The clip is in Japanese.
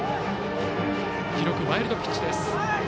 記録ワイルドピッチです。